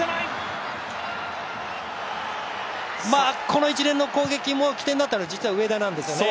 この一連の攻撃も起点になったのは実は上田なんですよね。